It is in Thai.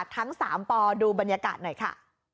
ทั้ง๓ปดูบรรยากาศหน่อยค่ะ